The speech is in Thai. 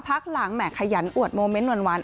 พักหลังแห่ขยันอวดโมเมนต์หวาน